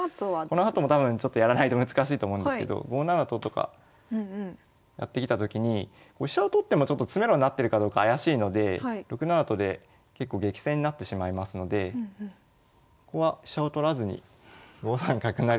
このあとも多分ちょっとやらないと難しいと思うんですけど５七と金とかやってきたときに飛車を取ってもちょっと詰めろになってるかどうか怪しいので６七と金で結構激戦になってしまいますのでここは飛車を取らずに５三角成と。